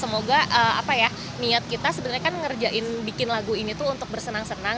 semoga apa ya niat kita sebenarnya kan ngerjain bikin lagu ini tuh untuk bersenang senang